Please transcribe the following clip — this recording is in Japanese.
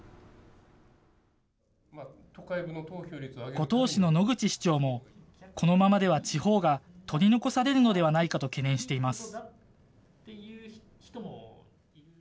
五島市の野口市長も、このままでは地方が取り残されるのではないかと懸念しています。